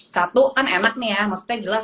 satu kan enak nih ya maksudnya jelas